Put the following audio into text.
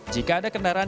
jika ada kendaraan